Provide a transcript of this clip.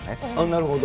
なるほど。